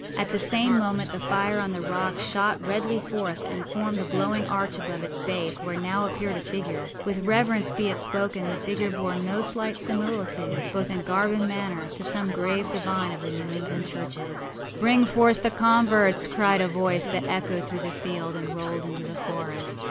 At the same moment the fire on the rock shot redly forth and formed a glowing arch above its base, where now appeared a figure. With reverence be it spoken, the figure bore no slight similitude, both in garb and manner, to some grave divine of the New England churches. âBring forth the converts!â cried a voice that echoed through the field and rolled into the forest.